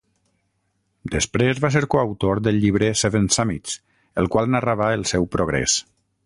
Després va ser coautor del llibre "Seven Summits", el qual narrava el seu progrés.